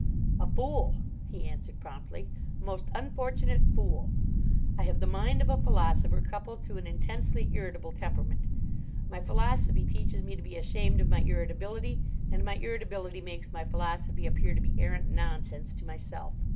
"A fool," he answered promptly; "a most unfortunate fool. I have the mind of a philosopher coupled to an intensely irritable temperament. My philosophy teaches me to be ashamed of my irritability, and my irritability makes my philosophy appear to be arrant nonsense to myself.